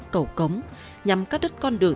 cầu cống nhằm cắt đứt con đường